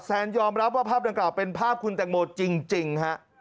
แซนยอมรับว่าภาพดังกล่าวเป็นภาพคุณแตงโมจริงฮะ